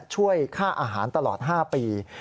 ช่วยค่าอาหารตลอด๕ปี